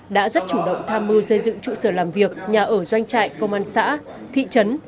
đã rất chủ động tham mưu xây dựng trụ sở làm việc nhà ở doanh trại công an xã thị trấn